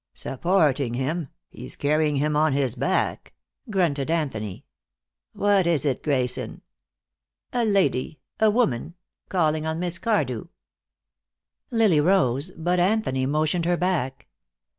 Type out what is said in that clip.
"Supporting him! He's carrying him on his back," grunted Anthony. "What is it, Grayson?" "A lady a woman calling on Miss Cardew." Lily rose, but Anthony motioned her back.